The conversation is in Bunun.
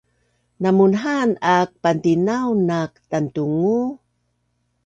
Namunhaan aak pantinaun naak tatungu